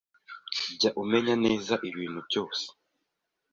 Jya umenya neza ibintu byose